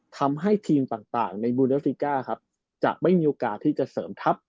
ทำให้ทีมต่างในบูเดฟิก้าครับจะไม่มีโอกาสที่จะเสริมทัพ